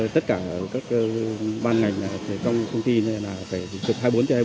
tất cả các ban ngành công ty phải dự trực hai mươi bốn hai mươi bốn